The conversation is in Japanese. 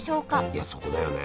いやそこだよね。